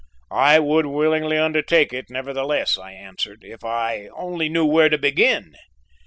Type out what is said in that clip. "I would willingly undertake it, nevertheless," I answered, "if I only knew where to begin."